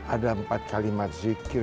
ada empat kalimat zikir